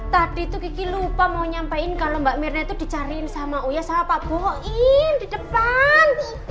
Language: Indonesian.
tadi tuh kiki lupa mau nyampain kalau mbak mirna tuh dicariin sama uya sama pak bohoin di depan